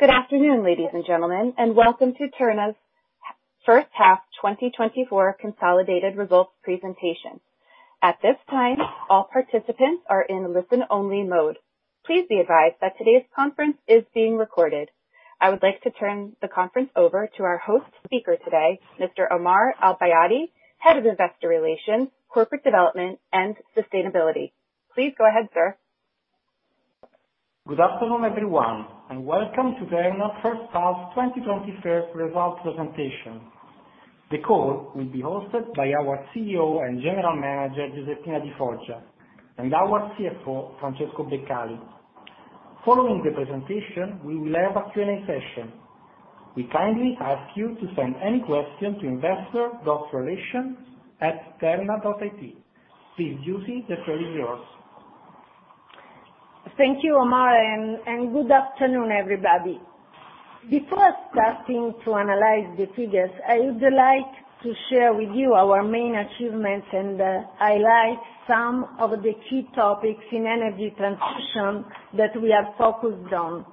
Good afternoon, ladies and gentlemen, and welcome to Terna's first half 2024 consolidated results presentation. At this time, all participants are in listen-only mode. Please be advised that today's conference is being recorded. I would like to turn the conference over to our host speaker today, Mr. Omar Al Bayaty, Head of Investor Relations, Corporate Development, and Sustainability. Please go ahead, sir. Good afternoon, everyone, and welcome to Terna first half 2024 results presentation. The call will be hosted by our CEO and General Manager, Giuseppina Di Foggia, and our CFO, Francesco Beccali. Following the presentation, we will have a Q&A session. We kindly ask you to send any question to investor.relations@terna.it. Please, Giuse, the floor is yours. Thank you, Omar, and good afternoon, everybody. Before starting to analyze the figures, I would like to share with you our main achievements and highlight some of the key topics in energy transition that we are focused on.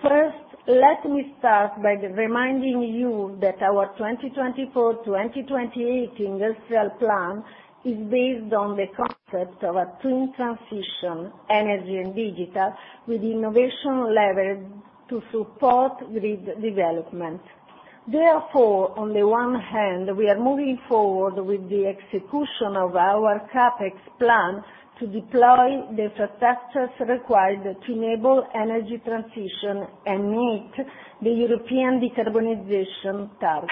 First, let me start by reminding you that our 2024 to 2028 industrial plan is based on the concept of a twin transition, energy and digital, with innovation leverage to support grid development. Therefore, on the one hand, we are moving forward with the execution of our CapEx plan to deploy the infrastructures required to enable energy transition and meet the European decarbonization target.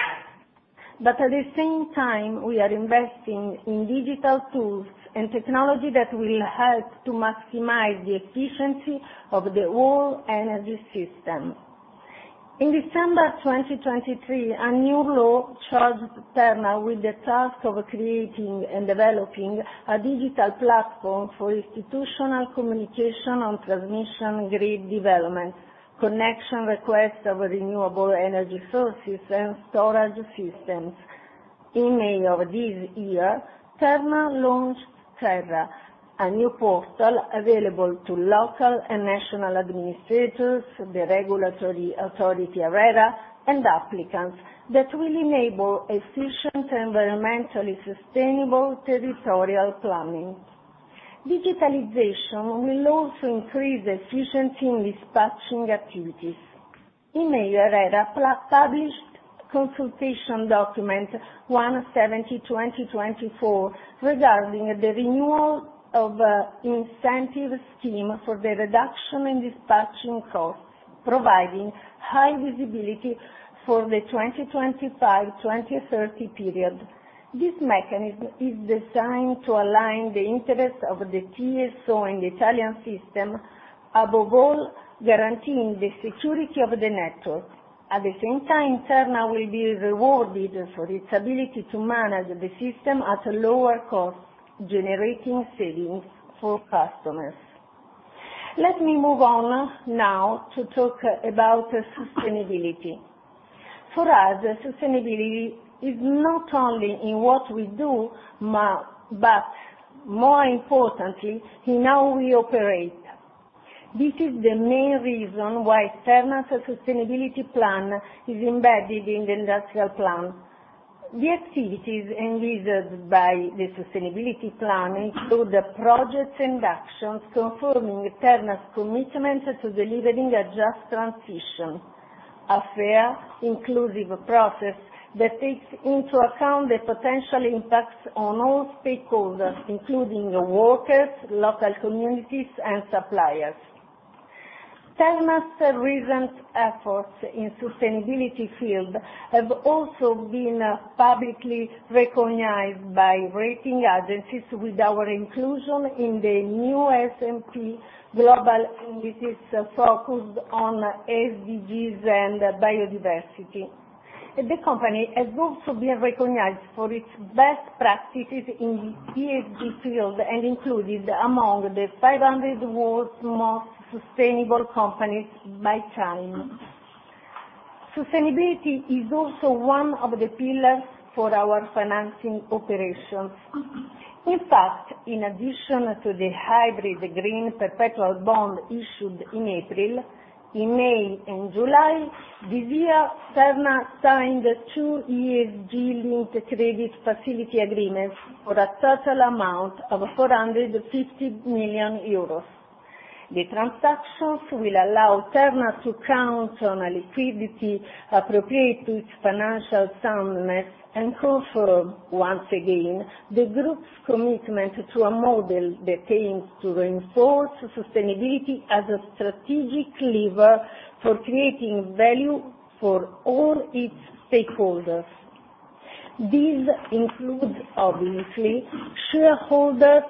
But at the same time, we are investing in digital tools and technology that will help to maximize the efficiency of the whole energy system. In December 2023, a new law charged Terna with the task of creating and developing a digital platform for institutional communication on transmission, grid development, connection requests of renewable energy sources, and storage systems. In May of this year, Terna launched TE.R.R.A., a new portal available to local and national administrators, the regulatory authority, ARERA, and applicants, that will enable efficient, environmentally sustainable territorial planning. Digitalization will also increase efficiency in dispatching activities. In May, ARERA published consultation document 170/2024, regarding the renewal of incentive scheme for the reduction in dispatching costs, providing high visibility for the 2025-2030 period. This mechanism is designed to align the interests of the TSO and the Italian system, above all, guaranteeing the security of the network. At the same time, Terna will be rewarded for its ability to manage the system at a lower cost, generating savings for customers. Let me move on now to talk about the sustainability. For us, sustainability is not only in what we do, but more importantly, in how we operate. This is the main reason why Terna's sustainability plan is embedded in the industrial plan. The activities envisaged by the sustainability plan include the projects and actions confirming Terna's commitment to delivering a just transition, a fair, inclusive process that takes into account the potential impacts on all stakeholders, including workers, local communities, and suppliers. Terna's recent efforts in sustainability field have also been publicly recognized by rating agencies, with our inclusion in the new S&P Global Indices focused on SDGs and biodiversity. The company has also been recognized for its best practices in the ESG field, and included among the 500 world's most sustainable companies by TIME. Sustainability is also one of the pillars for our financing operations. In fact, in addition to the hybrid green perpetual bond issued in April, in May and July this year, Terna signed two ESG-linked green credit facility agreements for a total amount of 450 million euros. The transactions will allow Terna to count on a liquidity appropriate to its financial soundness, and confirm, once again, the group's commitment to a model that aims to reinforce sustainability as a strategic lever for creating value for all its stakeholders. These include, obviously, shareholders,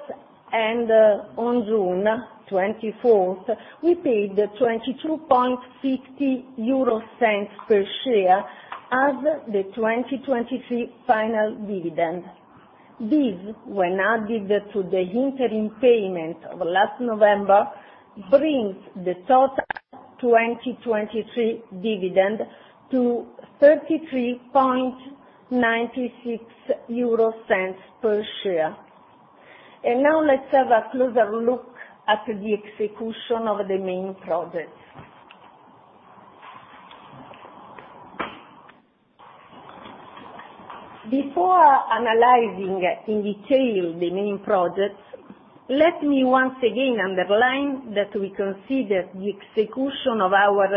and on June 24th, we paid 0.225 per share as the 2023 final dividend. This, when added to the interim payment of last November, brings the total 2023 dividend to 0.3396 per share. Now let's have a closer look at the execution of the main projects. Before analyzing in detail the main projects, let me once again underline that we consider the execution of our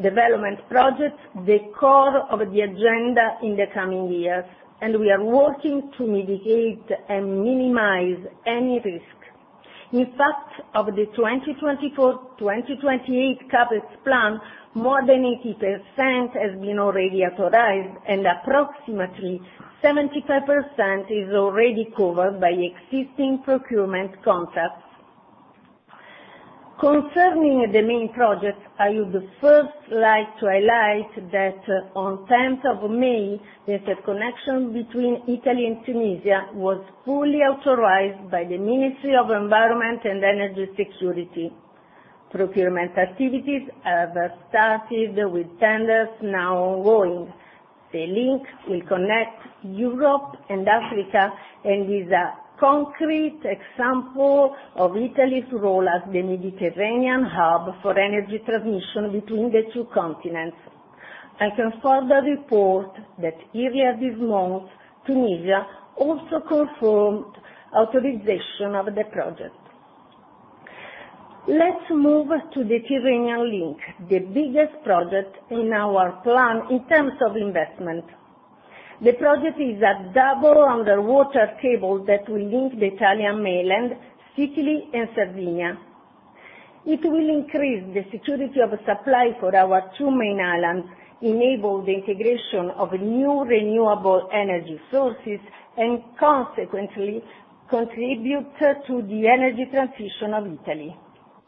development projects the core of the agenda in the coming years, and we are working to mitigate and minimize any risk. In fact, of the 2024-2028 CapEx plan, more than 80% has been already authorized, and approximately 75% is already covered by existing procurement contracts. Concerning the main projects, I would first like to highlight that on the 10th of May, the interconnection between Italy and Tunisia was fully authorized by the Ministry of Environment and Energy Security. Procurement activities have started, with tenders now ongoing. The link will connect Europe and Africa, and is a concrete example of Italy's role as the Mediterranean hub for energy transmission between the two continents. I can further report that earlier this month, Tunisia also confirmed authorization of the project. Let's move to the Tyrrhenian Link, the biggest project in our plan in terms of investment. The project is a double underwater cable that will link the Italian mainland, Sicily and Sardinia. It will increase the security of supply for our two main islands, enable the integration of new renewable energy sources, and consequently contribute to the energy transition of Italy.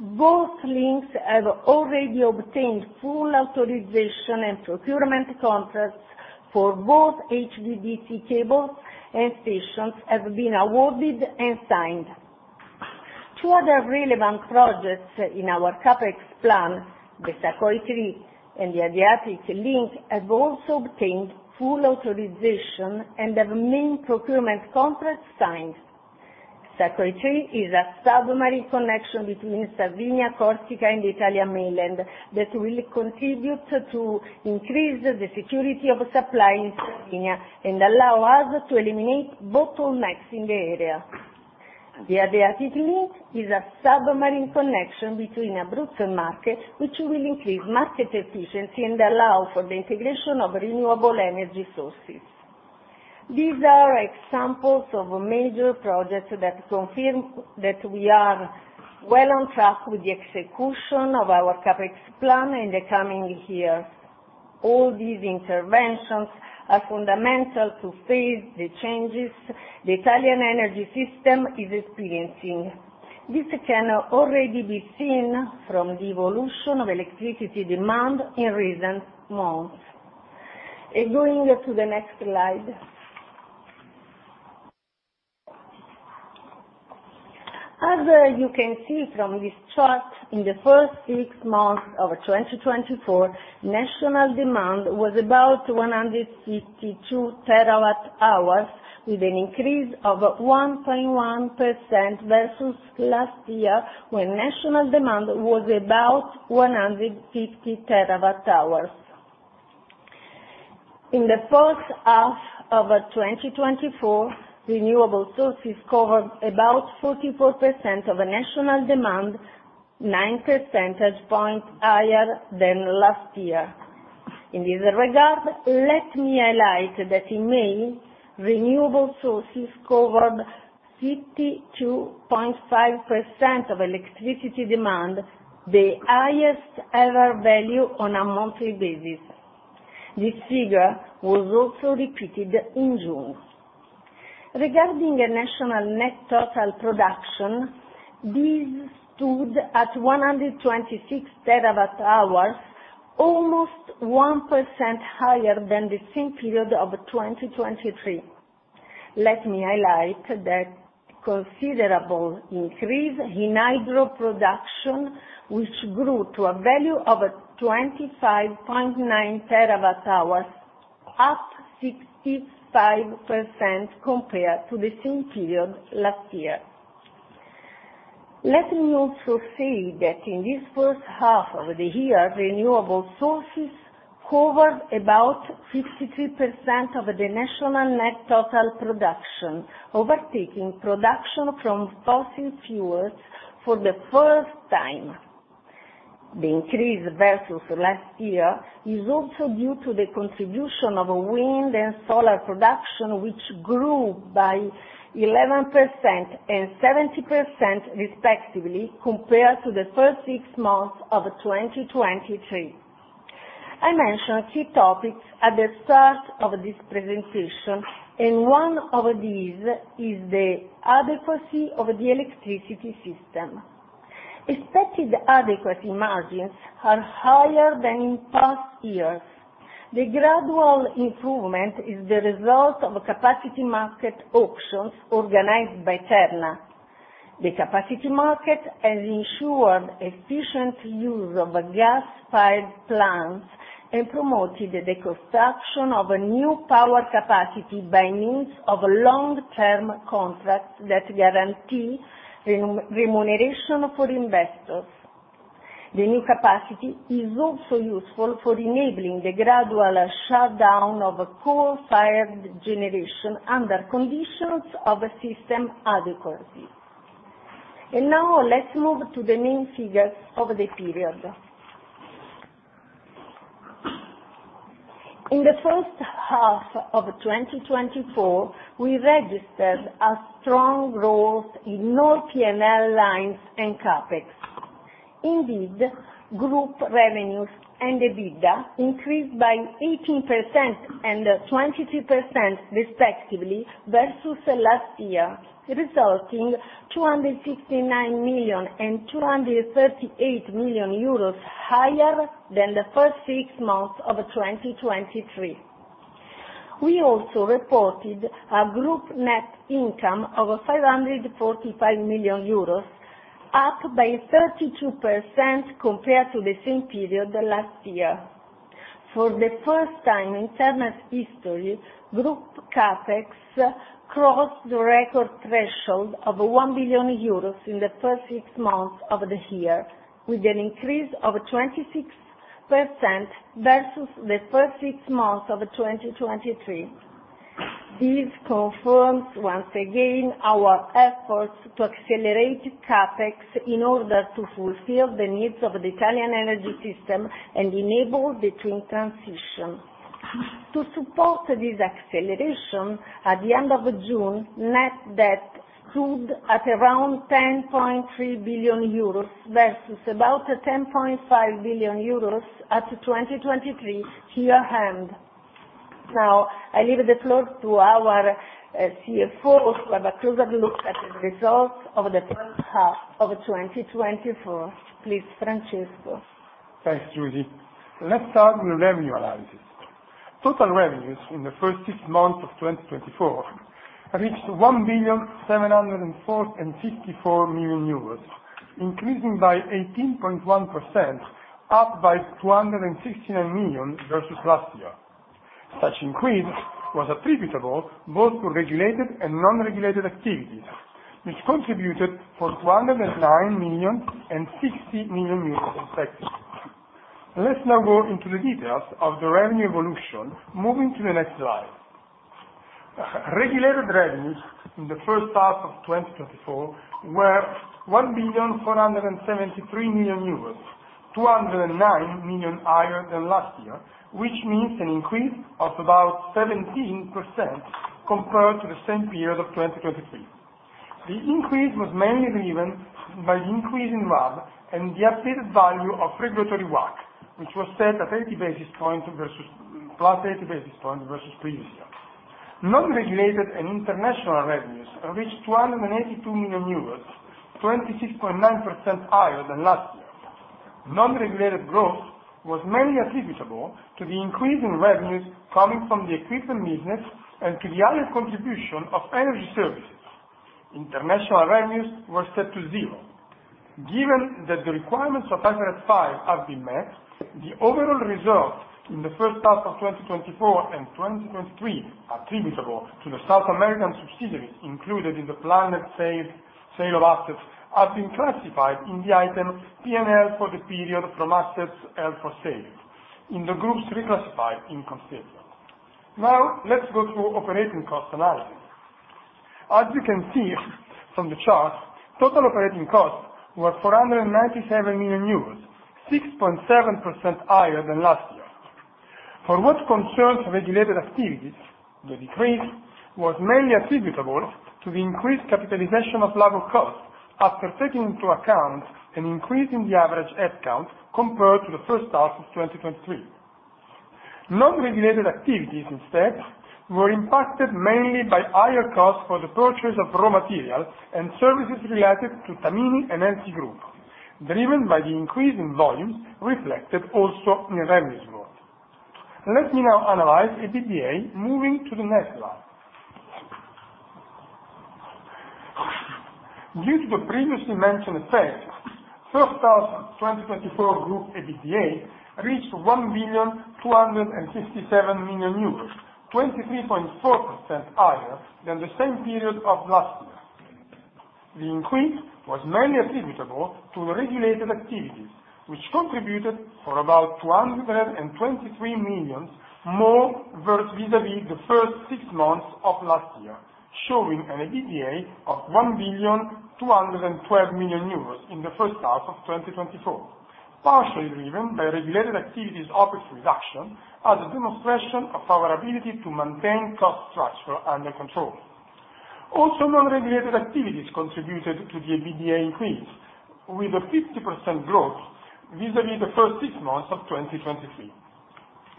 Both links have already obtained full authorization, and procurement contracts for both HVDC cable and stations have been awarded and signed. Two other relevant projects in our CapEx plan, the SACOI3 and the Adriatic Link, have also obtained full authorization and have main procurement contracts signed. SACOI3 is a submarine connection between Sardinia, Corsica, and the Italian mainland that will contribute to increase the security of supply in Sardinia, and allow us to eliminate bottlenecks in the area. The Adriatic Link is a submarine connection between Abruzzo and Marche, which will increase market efficiency and allow for the integration of renewable energy sources. These are examples of major projects that confirm that we are well on track with the execution of our CapEx plan in the coming years. All these interventions are fundamental to face the changes the Italian energy system is experiencing. This can already be seen from the evolution of electricity demand in recent months. And going to the next slide. As you can see from this chart, in the first six months of 2024, national demand was about 152 TWh, with an increase of 1.1% versus last year, when national demand was about 150 TWh. In the first half of 2024, renewable sources covered about 44% of the national demand, 9 percentage points higher than last year. In this regard, let me highlight that in May, renewable sources covered 52.5% of electricity demand, the highest ever value on a monthly basis. This figure was also repeated in June. Regarding the national net total production, these stood at 126 TWh, almost 1% higher than the same period of 2023. Let me highlight that considerable increase in hydro production, which grew to a value of 25.9 TWh, up 65% compared to the same period last year. Let me also say that in this first half of the year, renewable sources covered about 53% of the national net total production, overtaking production from fossil fuels for the first time. The increase versus last year is also due to the contribution of wind and solar production, which grew by 11% and 70% respectively, compared to the first six months of 2023. I mentioned three topics at the start of this presentation, and one of these is the adequacy of the electricity system. Expected adequacy margins are higher than in past years. The gradual improvement is the result of capacity market auctions organized by Terna. The capacity market has ensured efficient use of gas-fired plants and promoted the construction of new power capacity by means of a long-term contract that guarantees remuneration for investors. The new capacity is also useful for enabling the gradual shutdown of coal-fired generation under conditions of system adequacy. Now let's move to the main figures of the period. In the first half of 2024, we registered strong growth in all P&L lines and CapEx. Indeed, group revenues and EBITDA increased by 18% and 23%, respectively, versus last year, resulting 269 million and 238 million euros higher than the first six months of 2023. We also reported group net income of 545 million euros, up by 32% compared to the same period last year. For the first time in Terna's history, group CapEx crossed the record threshold of 1 billion euros in the first six months of the year, with an increase of 26% versus the first six months of 2023. This confirms, once again, our efforts to accelerate CapEx in order to fulfill the needs of the Italian energy system and enable the twin transition. To support this acceleration, at the end of June, net debt stood at around 10.3 billion euros, versus about 10.5 billion euros at 2023 year-end. Now, I leave the floor to our CFO, for a closer look at the results of the first half of 2024. Please, Francesco. Thanks, Giuse. Let's start with revenue analysis. Total revenues in the first six months of 2024 reached 1,754 million euros, increasing by 18.1%, up by 269 million versus last year. Such increase was attributable both to regulated and non-regulated activities, which contributed for 209 million and 60 million euros, respectively. Let's now go into the details of the revenue evolution, moving to the next slide. Regulated revenues in the first half of 2024 were 1,473 million euros, 209 million higher than last year, which means an increase of about 17% compared to the same period of 2023. The increase was mainly driven by the increase in RAB and the updated value of regulatory WACC, which was set at 80 basis points versus, plus 80 basis points versus previous year. Non-regulated and international revenues reached 282 million euros, 26.9% higher than last year. Non-regulated growth was mainly attributable to the increase in revenues coming from the equipment business and to the higher contribution of energy services. International revenues were set to zero. Given that the requirements of IFRS have been met, the overall reserve in the first half of 2024 and 2023, attributable to the South American subsidiary included in the planned sale, sale of assets, have been classified in the item P&L for the period from assets held for sale in the group's reclassified income statement. Now, let's go to operating cost analysis. As you can see from the chart, total operating costs were 497 million euros, 6.7% higher than last year. For what concerns regulated activities, the decrease was mainly attributable to the increased capitalization of labor costs, after taking into account an increase in the average headcount compared to the first half of 2023. Non-regulated activities, instead, were impacted mainly by higher costs for the purchase of raw materials and services related to Tamini and LT Group, driven by the increase in volume, reflected also in revenues growth. Let me now analyze EBITDA, moving to the next slide. Due to the previously mentioned effects, first half of 2024 group EBITDA reached 1,267 million euros, 23.4% higher than the same period of last year. The increase was mainly attributable to the regulated activities, which contributed for about 223 million more vis-à-vis the first six months of last year, showing an EBITDA of 1,212 million euros in the first half of 2024. Partially driven by regulated activities' OpEx reduction, as a demonstration of our ability to maintain cost structure under control. Also, non-regulated activities contributed to the EBITDA increase, with a 50% growth vis-à-vis the first six months of 2023.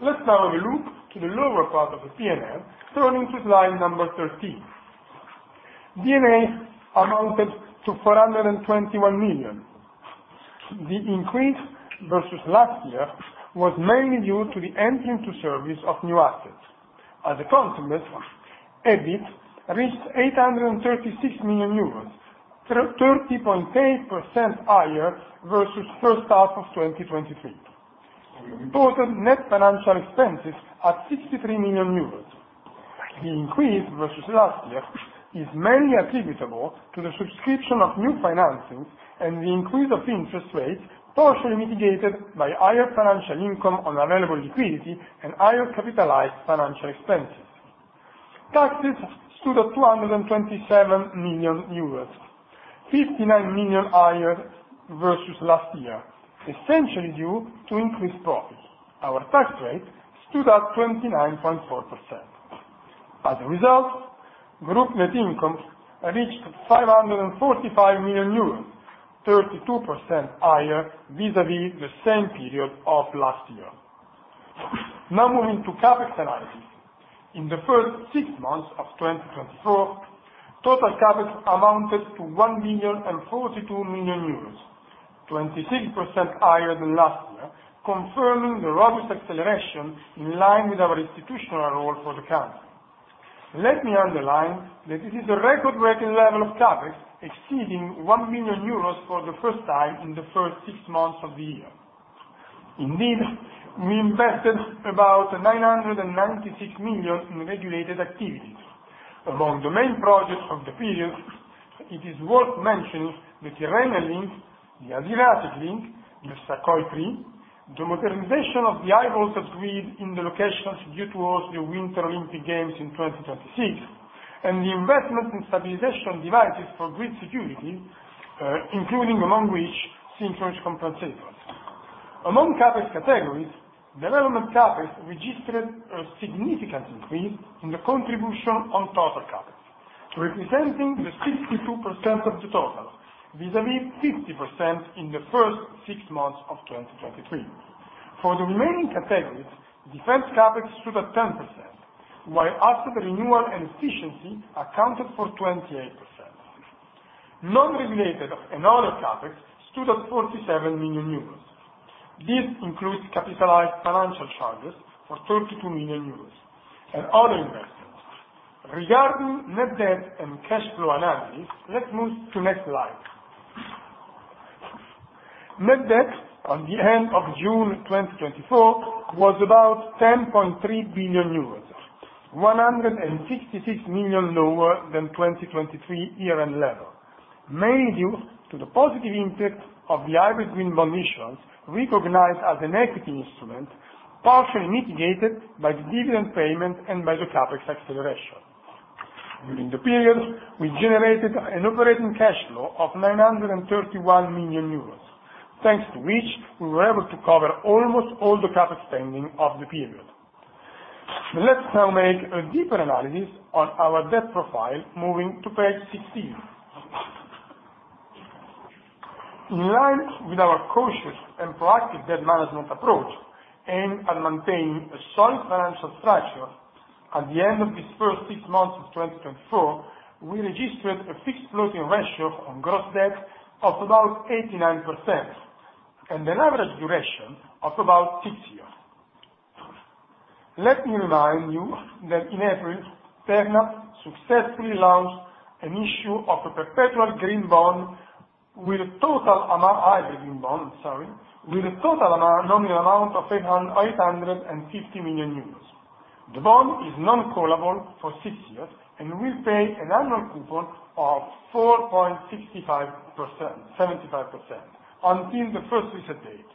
Let's now have a look to the lower part of the P&L, turning to slide number 13. D&A amounted to 421 million. The increase versus last year was mainly due to the entering to service of new assets. As a consequence, EBIT reached EUR 836 million, 30.8% higher versus first half of 2023. Total net financial expenses at 63 million euros. The increase versus last year is mainly attributable to the subscription of new financings and the increase of interest rates, partially mitigated by higher financial income on available liquidity and higher capitalized financial expenses. Taxes stood at 227 million euros, 59 million higher versus last year, essentially due to increased profits. Our tax rate stood at 29.4%. As a result, group net income reached 545 million euros, 32% higher vis-a-vis the same period of last year. Now moving to CapEx analysis. In the first six months of 2024, total CapEx amounted to 1,042 million, 26% higher than last year, confirming the robust acceleration in line with our institutional role for the country. Let me underline that it is a record-breaking level of CapEx, exceeding 1 billion euros for the first time in the first six months of the year. Indeed, we invested about 996 million in regulated activities. Among the main projects of the period, it is worth mentioning the Tyrrhenian Link, the Adriatic Link, the SACOI3, the modernization of the infrastructures agreed in the locations destined for the Winter Olympic Games 2026, and the investment in stabilization devices for grid security, including, among which, synchronous compensators. Among CapEx categories, development CapEx registered a significant increase in the contribution on total CapEx, representing the 62% of the total, vis-à-vis 60% in the first six months of 2023. For the remaining categories, defense CapEx stood at 10%, while asset renewal and efficiency accounted for 28%. Non-regulated and other CapEx stood at 47 million euros. This includes capitalized financial charges for 32 million euros and other investments. Regarding net debt and cash flow analysis, let's move to next slide. Net debt on the end of June 2024, was about 10.3 billion euros, 166 million lower than 2023 year-end level, mainly due to the positive impact of the hybrid green bond issuance, recognized as an equity instrument, partially mitigated by the dividend payment and by the CapEx acceleration. During the period, we generated an operating cash flow of 931 million euros, thanks to which we were able to cover almost all the CapEx spending of the period. Let's now make a deeper analysis on our debt profile, moving to page 16. In line with our cautious and proactive debt management approach, aimed at maintaining a solid financial structure, at the end of this first six months of 2024, we registered a fixed floating ratio on gross debt of about 89%, and an average duration of about 6 years. Let me remind you that in April, Terna successfully launched an issue of a perpetual green bond with a total amount... hybrid green bond, sorry, with a total amount, nominal amount of 850 million euros. The bond is non-callable for six years and will pay an annual coupon of 4.65%, 4.75%, until the first reset date.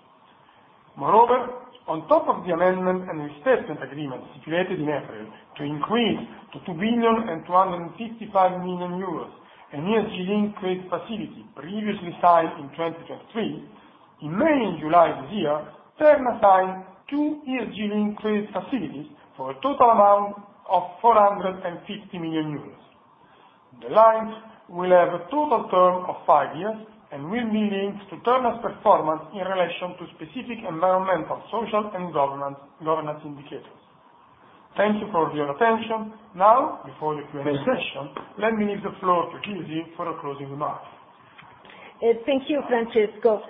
Moreover, on top of the amendment and replacement agreement executed in April to increase to 2,255 million euros an ESG-linked credit facility previously signed in 2023. In May and July this year, Terna signed two ESG-linked credit facilities for a total amount of 450 million euros. The lines will have a total term of five years and will be linked to Terna's performance in relation to specific environmental, social, and governance, governance indicators. Thank you for your attention. Now, before the Q&A session, let me leave the floor to Giuse for a closing remark. Thank you, Francesco.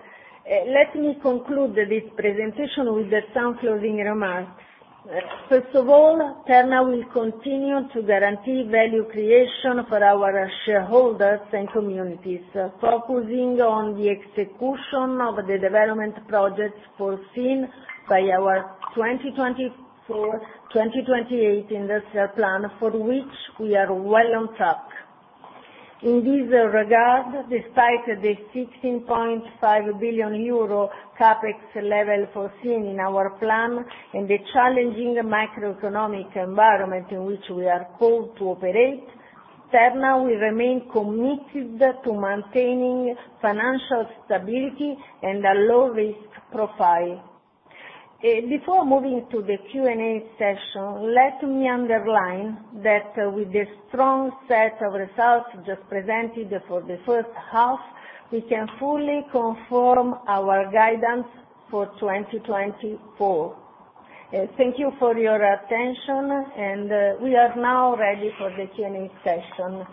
Let me conclude this presentation with some closing remarks. First of all, Terna will continue to guarantee value creation for our shareholders and communities, focusing on the execution of the development projects foreseen by our 2024/2028 industrial plan, for which we are well on track. In this regard, despite the 16.5 billion euro CapEx level foreseen in our plan and the challenging macroeconomic environment in which we are called to operate, Terna will remain committed to maintaining financial stability and a low risk profile. Before moving to the Q&A session, let me underline that, with the strong set of results just presented for the first half, we can fully confirm our guidance for 2024. Thank you for your attention, and we are now ready for the Q&A session.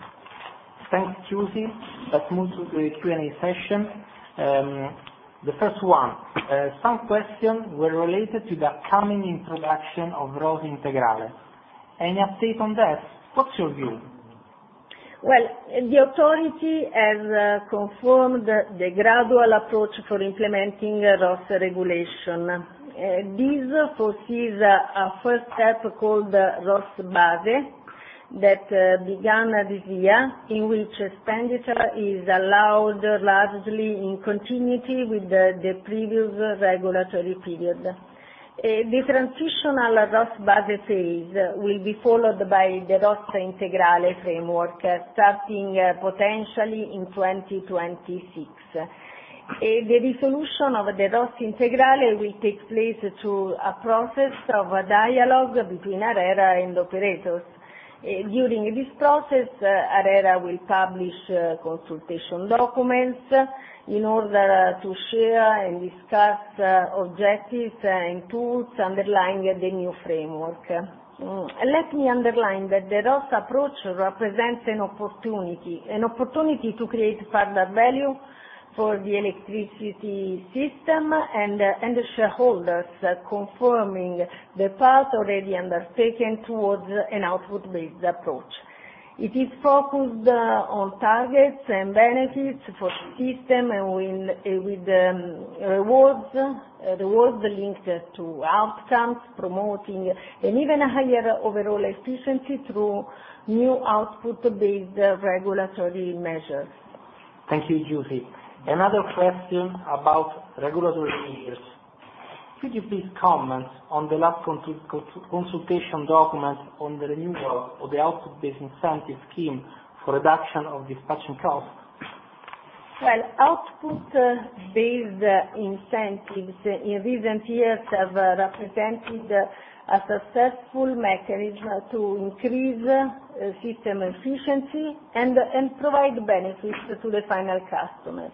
Thanks, Giuse. Let's move to the Q&A session. The first one, some questions were related to the coming introduction of ROSS Integrale. Any update on that? What's your view? Well, the authority has confirmed the gradual approach for implementing ROSS regulation. This foresees a first step called ROSS Base, that began this year, in which expenditure is allowed largely in continuity with the previous regulatory period. The transitional ROSS Base phase will be followed by the ROSS Integrale framework, starting potentially in 2026. The resolution of the ROSS Integrale will take place through a process of a dialogue between ARERA and operators. During this process, ARERA will publish consultation documents in order to share and discuss objectives and tools underlying the new framework. Let me underline that the ROSS approach represents an opportunity, an opportunity to create further value for the electricity system, and the shareholders, confirming the path already undertaken towards an output-based approach. It is focused on targets and benefits for the system, and with rewards linked to outcomes, promoting an even higher overall efficiency through new output-based regulatory measures. Thank you, Giuse. Another question about regulatory measures. Could you please comment on the last consultation document on the renewal of the output-based incentive scheme for reduction of dispatching costs? Well, output-based incentives in recent years have represented a successful mechanism to increase system efficiency and provide benefits to the final customers.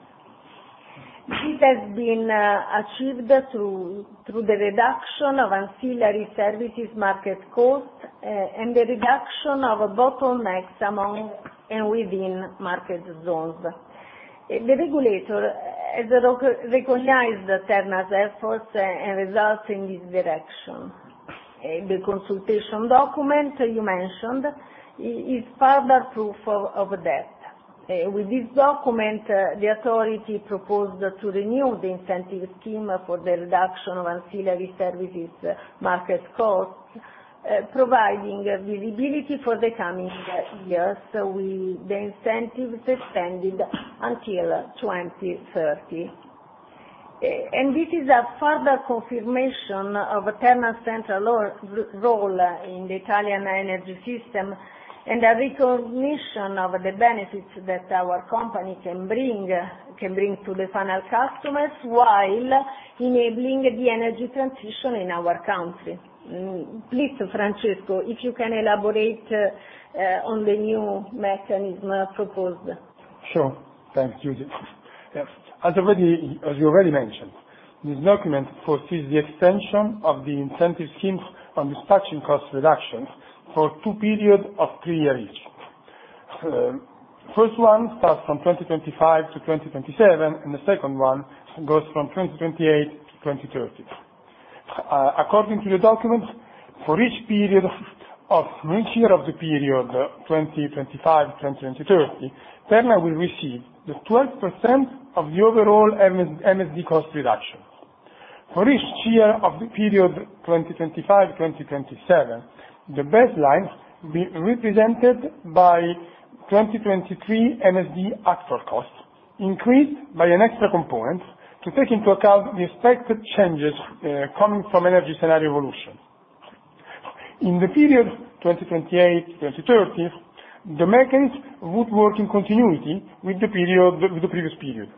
This has been achieved through the reduction of ancillary services market costs and the reduction of bottlenecks among and within market zones. The regulator has recognized Terna's efforts and results in this direction. The consultation document you mentioned is further proof of that. With this document, the authority proposed to renew the incentive scheme for the reduction of ancillary services market costs, providing visibility for the coming years, so we... The incentive is extended until 2030. And this is a further confirmation of Terna's central role in the Italian energy system, and a recognition of the benefits that our company can bring to the final customers, while enabling the energy transition in our country. Please, Francesco, if you can elaborate on the new mechanism proposed. Sure. Thanks, Giuse. Yeah, as already, as you already mentioned, this document foresees the extension of the incentive schemes on dispatching cost reduction for two periods of three year each. First one starts from 2025 to 2027, and the second one goes from 2028 to 2030. According to the document, for each year of the period 2025 to 2030, Terna will receive the 12% of the overall MSD cost reduction. For each year of the period 2025-2027, the baseline be represented by 2023 MSD actual costs, increased by an extra component to take into account the expected changes coming from energy scenario evolution. In the period 2028-2030, the mechanism would work in continuity with the period, with the previous period,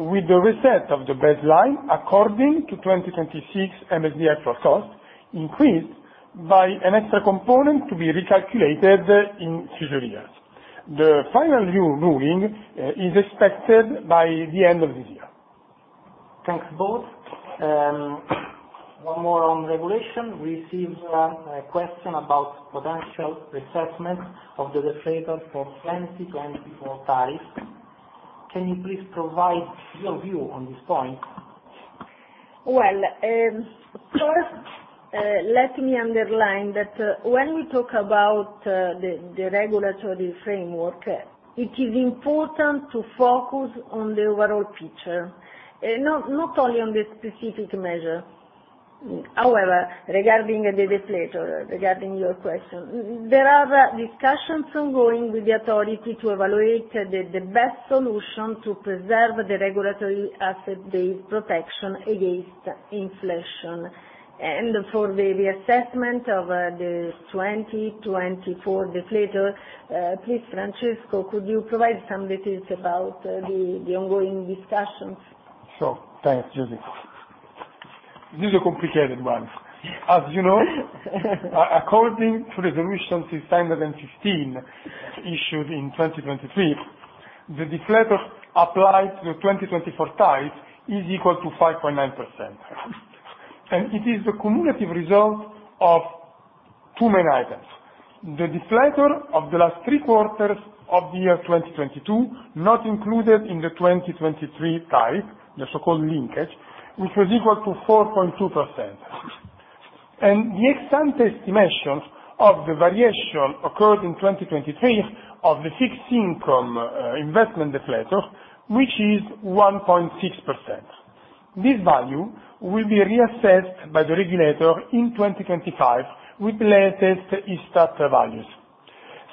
with the reset of the baseline, according to 2026 MSD actual cost, increased by an extra component to be recalculated in future years. The final new ruling is expected by the end of this year. Thanks, both. One more on regulation. Received, a question about potential reassessment of the deflator for 2024 tariffs. Can you please provide your view on this point? Well, first, let me underline that, when we talk about the regulatory framework, it is important to focus on the overall picture, not only on the specific measure. However, regarding the deflator, regarding your question, there are discussions ongoing with the authority to evaluate the best solution to preserve the regulatory asset base protection against inflation. And for the reassessment of the 2024 deflator, please, Francesco, could you provide some details about the ongoing discussions? Sure. Thanks, Giuse. This is a complicated one. As you know, according to the Resolution 615, issued in 2023, the deflator applied to the 2024 type is equal to 5.9%. And it is the cumulative result of two main items: the deflator of the last three quarters of the year 2022, not included in the 2023 type, the so-called linkage, which was equal to 4.2%, and the ex-ante estimation of the variation occurred in 2023 of the fixed income, investment deflator, which is 1.6%. This value will be reassessed by the regulator in 2025, with the latest ISTAT values.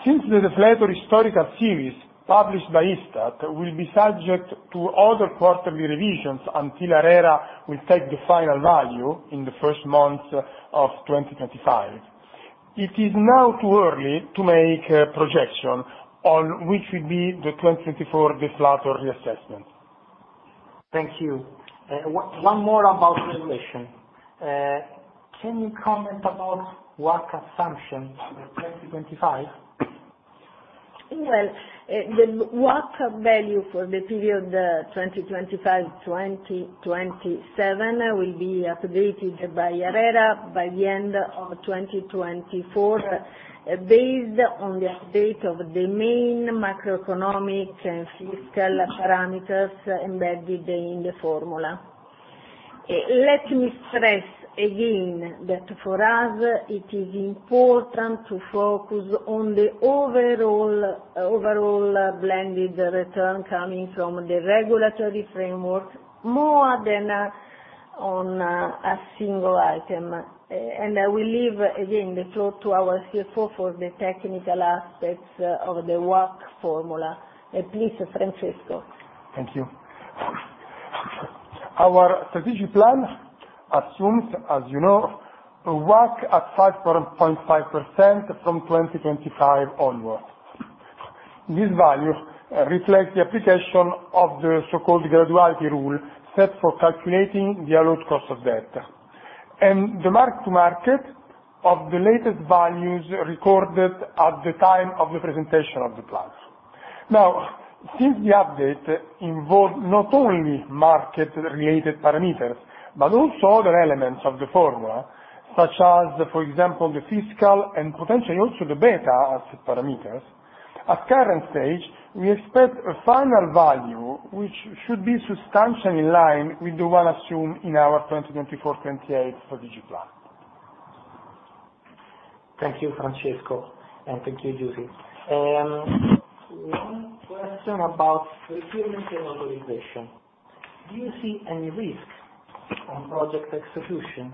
Since the deflator historical series published by ISTAT will be subject to other quarterly revisions, until ARERA will take the final value in the first months of 2025, it is now too early to make a projection on which will be the 2024 deflator reassessment. Thank you. One more about regulation. Can you comment about WACC assumption for 2025? Well, the WACC value for the period 2025-2027 will be updated by ARERA by the end of 2024, based on the update of the main macroeconomic and fiscal parameters embedded in the formula. Let me stress again, that for us, it is important to focus on the overall, overall, blended return coming from the regulatory framework, more than, on, a single item. And I will leave, again, the floor to our CFO for the technical aspects of the WACC formula. Please, Francesco. Thank you. Our strategic plan assumes, as you know, WACC at 5.5% from 2025 onwards. This value reflects the application of the so-called graduality rule, set for calculating the allowed cost of debt, and the mark to market of the latest values recorded at the time of the presentation of the plan. Now, since the update involve not only market-related parameters, but also other elements of the formula, such as, for example, the fiscal and potentially also the beta asset parameters, at current stage, we expect a final value, which should be substantially in line with the one assumed in our 2024-2028 strategic plan. Thank you, Francesco, and thank you, Giuse. One question about procurement and authorization. Do you see any risks on project execution?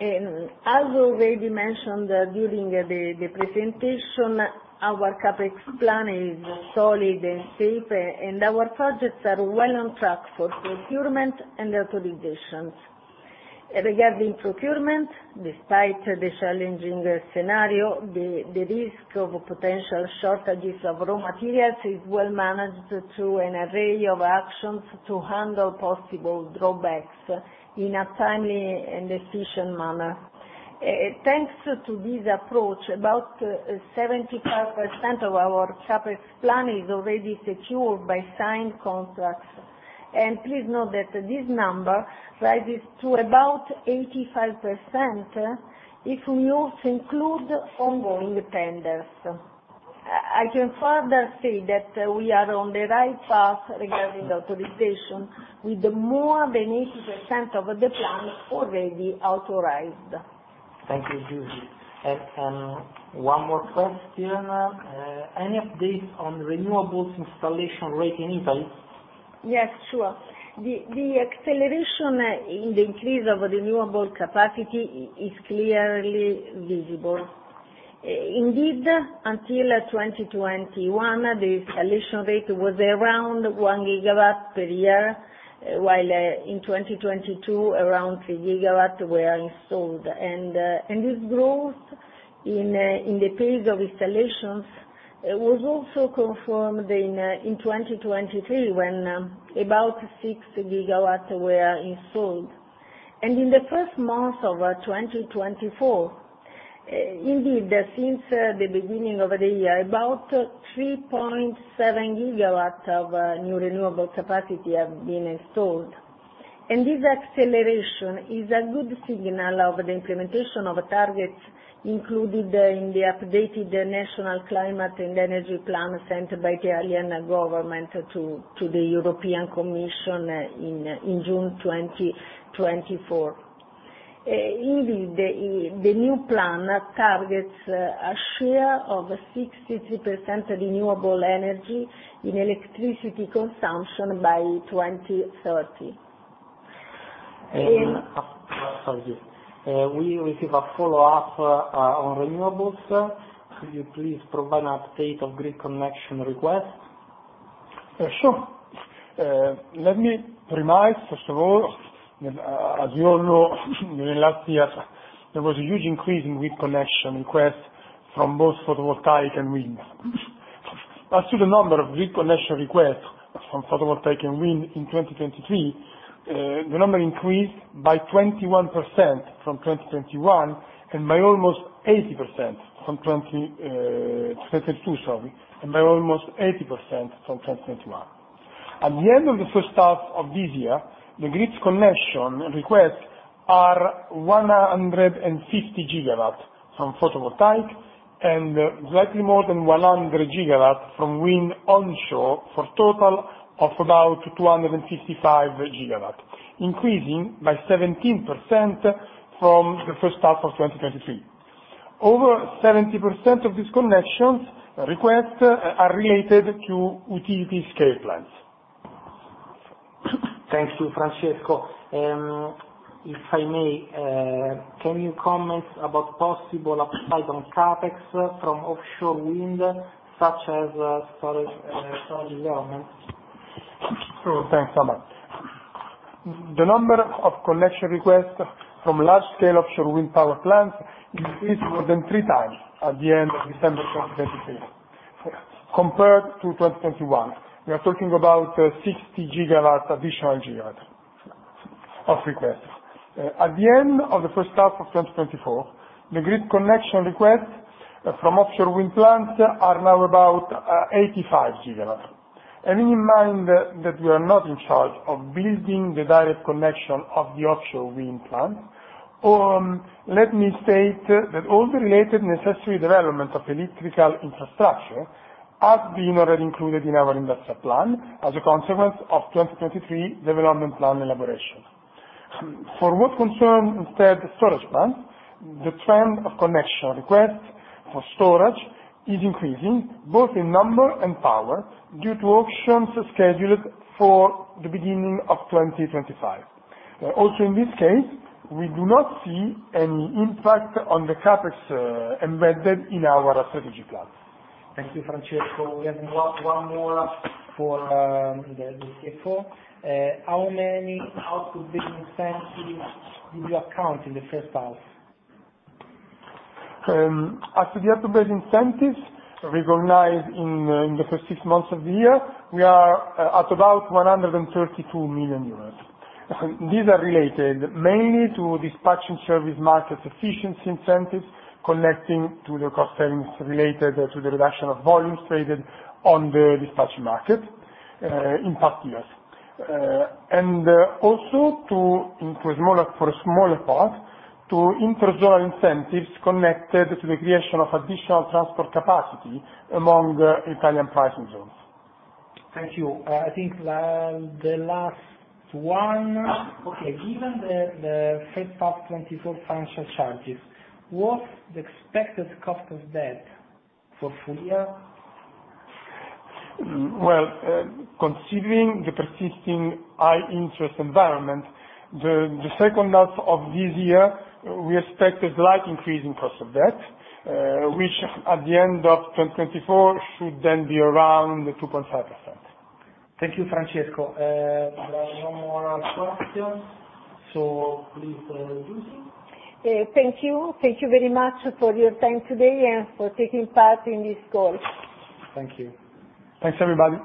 As already mentioned during the presentation, our CapEx plan is solid and safe, and our projects are well on track for procurement and authorizations. Regarding procurement, despite the challenging scenario, the risk of potential shortages of raw materials is well managed through an array of actions, to handle possible drawbacks in a timely and efficient manner. Thanks to this approach, about 75% of our CapEx plan is already secured by signed contracts, and please note that this number rises to about 85%, if we also include ongoing tenders. I can further say that we are on the right path regarding authorization, with more than 80% of the plan already authorized. Thank you, Giuse. And, one more question, any update on renewables installation rate in Italy? Yes, sure. The acceleration in the increase of renewable capacity is clearly visible. Indeed, until 2021, the installation rate was around 1 GW per year, while in 2022, around 3 GW were installed. And this growth in the pace of installations was also confirmed in 2023, when about 6 GW were installed. And in the first month of 2024, indeed, since the beginning of the year, about 3.7 GW of new renewable capacity have been installed. And this acceleration is a good signal of the implementation of targets included in the updated National Climate and Energy Plan, sent by the Italian government to the European Commission in June 2024. Indeed, the new plan targets a share of 63% renewable energy in electricity consumption by 2030. And- And, sorry. We receive a follow-up on renewables. Could you please provide an update of grid connection request? Sure. Let me remind, first of all, that, as you all know, during last year, there was a huge increase in grid connection requests from both photovoltaic and wind. As to the number of grid connection requests from photovoltaic and wind in 2023, the number increased by 21% from 2021, and by almost 80% from 2022, sorry, and by almost 80% from 2021. At the end of the first half of this year, the grid connection requests are 150 GW from photovoltaic, and slightly more than 100 GW from wind onshore, for total of about 255 GW, increasing by 17% from the first half of 2023. Over 70% of these connection requests are related to utility scale plans. Thank you, Francesco. If I may, can you comment about possible upside on CapEx from offshore wind, such as storage development? Sure. Thanks so much. The number of connection requests from large scale offshore wind power plants increased more than 3 times at the end of December 2023, compared to 2021. We are talking about 60 GW, additional gigawatt of requests. At the end of the first half of 2024, the grid connection requests from offshore wind plants are now about 85 GW. Having in mind that we are not in charge of building the direct connection of the offshore wind plants, let me state that all the related necessary development of electrical infrastructure have been already included in our industrial plan as a consequence of 2023 development plan elaboration. For what concerns instead, the storage plan, the trend of connection requests for storage is increasing, both in number and power, due to auctions scheduled for the beginning of 2025. Also, in this case, we do not see any impact on the CapEx embedded in our strategy plans. Thank you, Francesco. We have one more for the Q4. How many output-based incentives do you account in the first half? As to the output-based incentives recognized in the first six months of the year, we are at about 132 million euros. These are related mainly to dispatch and service market efficiency incentives, connecting to the cost savings related to the reduction of volumes traded on the dispatch market in past years. And also to a smaller, for a smaller part, to intra-zonal incentives connected to the creation of additional transport capacity among Italian pricing zones. Thank you. I think, the last one. Okay, given the first half 2024 financial charges, what's the expected cost of debt for full year? Well, considering the persisting high interest environment, the second half of this year, we expect a slight increase in cost of debt, which at the end of 2024 should then be around 2.5%. Thank you, Francesco. There are no more questions, so please, Giuse? Thank you. Thank you very much for your time today, and for taking part in this call. Thank you. Thanks, everybody.